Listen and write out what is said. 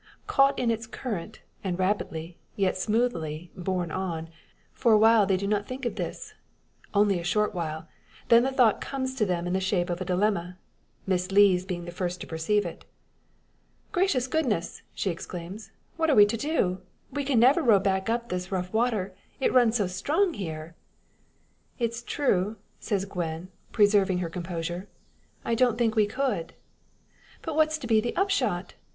Caught in its current, and rapidly, yet smoothly, borne on, for awhile they do not think of this. Only a short while; then the thought comes to them in the shape of a dilemma Miss Lees being the first to perceive it. "Gracious goodness!" she exclaims, "what are we to do? We can never row back up this rough water it runs so strong here!" "That's true," says Gwen, preserving her composure. "I don't think we could." "But what's to be the upshot?